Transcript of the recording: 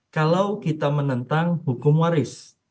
kalau kita menentang hukum waris